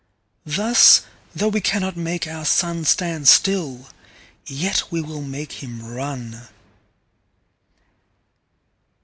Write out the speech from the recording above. Thus, though we cannot make our SunStand still, yet we will make him run.